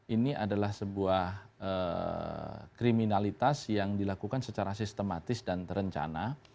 ini adalah sebuah kriminalitas yang dilakukan secara sistematis dan terencana